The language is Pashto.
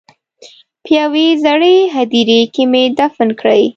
په یوې زړې هدیرې کې مې دفن کړې.